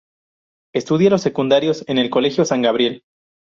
Estudia los secundarios en el colegio "San Gabriel".